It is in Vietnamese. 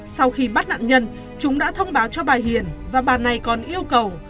sau khi bắt nạn nhân chúng đã thông báo cho bà hiền và bà này còn yêu cầu